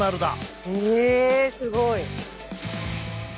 えすごい！